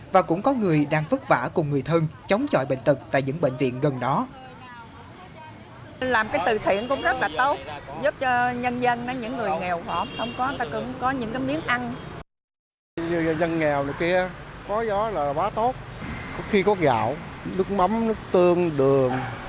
và cũng có người đang vất vả cùng người thân chống chọi bệnh tật tại những bệnh viện gần đó